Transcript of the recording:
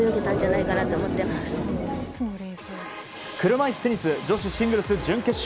車いすテニス女子シングルス準決勝。